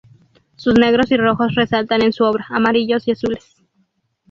Sus negros y rojos resaltan en su obra, amarillos y azules.